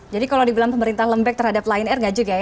jadi kalau dibilang pemerintah lembek terhadap lion air enggak juga ya